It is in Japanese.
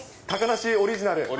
高梨オリジナル。